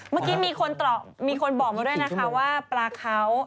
เมื่อกี้มีคนบอกมาด้วยนะคะว่าปลาเขา